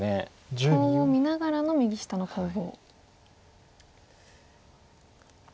コウを見ながらの右下の攻防。